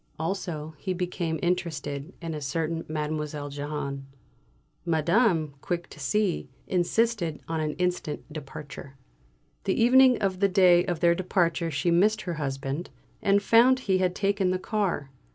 Also, he became interested in a certain Mdlle. Jehane. Madame, quick to see, insisted on an instant departure. The evening of the day of their departure she missed her husband, and found he had taken the car.